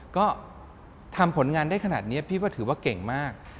ก็ทำผลงานได้ขนาดนี้พี่ก็ถือว่าเก่งมาก